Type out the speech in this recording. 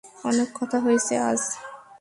অনেক কথা হয়েছে আজ।